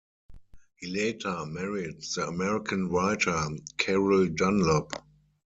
He later married the American writer Carol Dunlop.